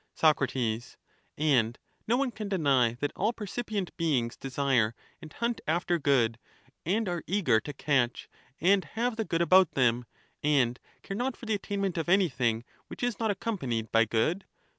Soc, And no one can deny that all^gercipient beings desire and hunt after good, and are eager to catch^and have the good about them, and care not for the attainment of anything which is not accompanied by good.